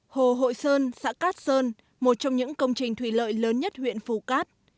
hồ hội sơn xã cát sơn một trong những công trình thủy lợi lớn nhất huyện phù cát